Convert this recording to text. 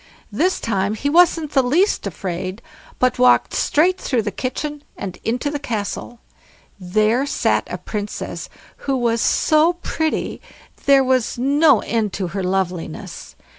This time he wasn't the least afraid, but walked straight through the kitchen, and into the Castle. There sat a Princess who was so pretty, there was no end to her loveliness.